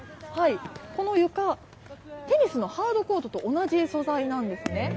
この床、テニスのハードコートと同じ素材なんですね。